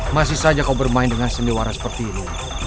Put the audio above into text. masih saja kau bermain dengan sendiwara seperti ini